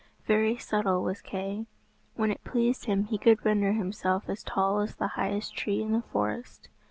Very subtle was Kay. When it pleased him he could render himself as tall as the highest tree in the forest.